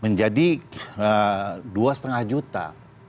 menjadi dua lima juta